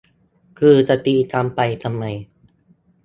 คือจะตีกันไปทำไม